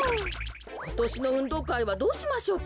ことしのうんどうかいはどうしましょうか？